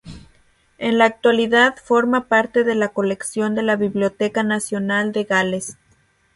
En la actualidad forma parte de la colección de la Biblioteca Nacional de Gales.